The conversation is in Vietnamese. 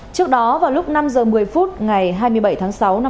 trước đó vào lúc năm h một mươi phút ngày hai mươi bảy tháng sáu năm hai nghìn hai mươi